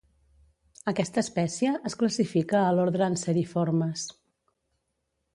Aquesta espècie es classifica a l'ordre Anseriformes.